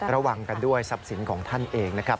ระวังกันด้วยทรัพย์สินของท่านเองนะครับ